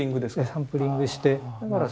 サンプリングして。